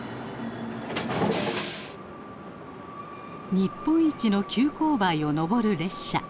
日本一の急勾配を上る列車。